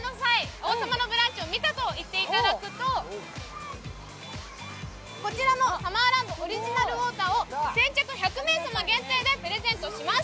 「王様のブランチ」を見たと言ってくださると、こちらのサマーランドオリジナルウォーターを先着１００名様限定でプレゼントします。